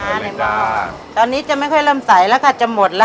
น้ำซุปนี่นะคะตอนนี้จะไม่ค่อยเริ่มใส่แล้วค่ะจะหมดแล้ว